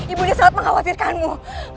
ibu nel sangat mengkhawatirkanmu